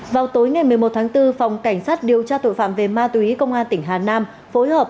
vào tối ngày một mươi một tháng bốn phòng cảnh sát điều tra tội phạm về ma túy công an tỉnh hà nam phối hợp